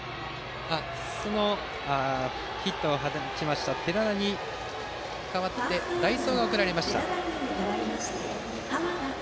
ヒットを放った寺田に代わり代走が送られました。